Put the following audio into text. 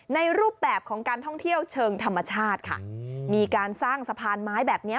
รูปแบบของการท่องเที่ยวเชิงธรรมชาติค่ะมีการสร้างสะพานไม้แบบเนี้ย